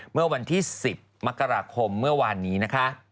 เมื่อวันที่๑๐มกราคมเมื่อวานนี้นะคะ